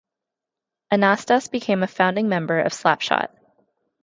Anastas became a founding member of Slapshot.